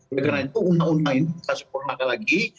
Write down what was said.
oleh karena itu undang undang ini kita sempurnakan lagi